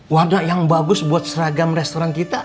wadah yang bagus buat seragam restoran kita